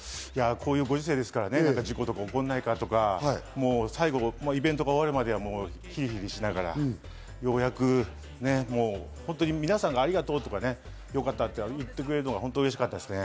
こういうご時世ですから、何か事故とか起きないかとか、イベントが最後終わるまでヒヤヒヤしながら、ようやく本当に皆さんがありがとうとかよかったと言ってくれるのがうれしかったですね。